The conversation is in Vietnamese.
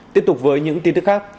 tiếp tục với những tin tức khác